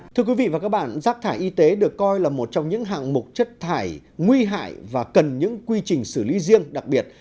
thưa quý vị và các bạn rác thải y tế được coi là một trong những hạng mục chất thải nguy hại và cần những quy trình xử lý riêng đặc biệt